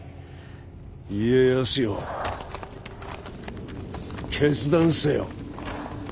家康よ決断せよ。